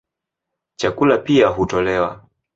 Chakula pia hutolewa.